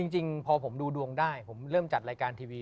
จริงพอผมดูดวงได้ผมเริ่มจัดรายการทีวี